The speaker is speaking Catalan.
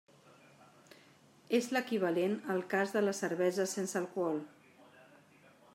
És l’equivalent al cas de la cervesa sense alcohol.